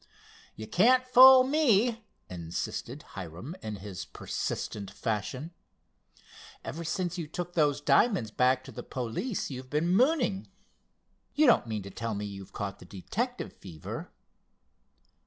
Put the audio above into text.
"You can't fool me!" insisted Hiram in his persistent fashion. "Ever since you took those diamonds back to the police you've been mooning. You don't mean to tell me you've caught the detective fever?"